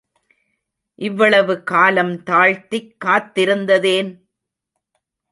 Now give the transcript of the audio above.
இவ்வளவு காலம் தாழ்த்திக் காத்திருந்ததேன்?